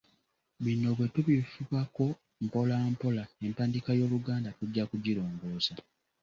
Bino bwe tubifubako mpola mpola, empandiika y’Oluganda tujja kugirongoosa.